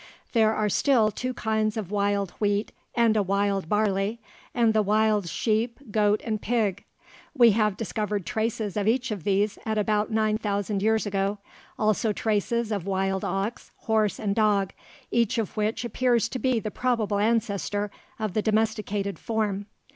There are still two kinds of wild wheat and a wild barley, and the wild sheep, goat, and pig. We have discovered traces of each of these at about nine thousand years ago, also traces of wild ox, horse, and dog, each of which appears to be the probable ancestor of the domesticated form.